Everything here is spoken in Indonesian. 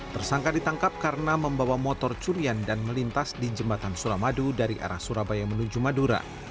tersangka ditangkap karena membawa motor curian dan melintas di jembatan suramadu dari arah surabaya menuju madura